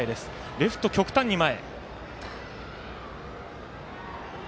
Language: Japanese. レフト極端に前。